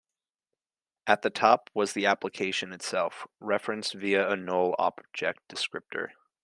At the top was the application itself, referenced via a null object descriptor.